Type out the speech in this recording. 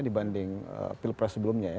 dibanding pilpres sebelumnya ya